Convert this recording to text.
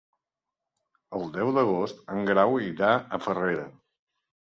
El deu d'agost en Grau irà a Farrera.